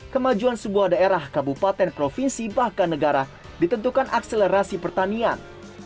kemajuan sebuah daerah kabupaten provinsi bahkan negara ditentukan akselerasi pertanian